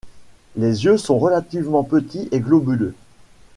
Les yeux sont relativement petits et globuleux.